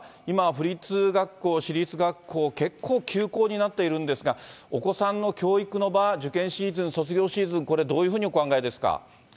今、府立学校、市立学校、結構休校になっているんですが、お子さんの教育の場、受験シーズン、卒業シーズン、これ、どういうふうにお考えですか。